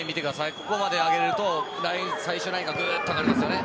ここまで上げると、最終ラインがぐっとなってくるんですね。